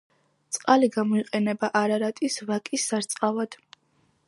წყალი გამოიყენება არარატის ვაკის სარწყავად.